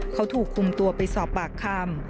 เขาถูกคุมตัวไปสอบปากคำ